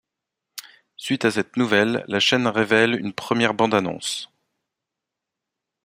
Suite à cette nouvelle, la chaine révèle une première bande-annonce.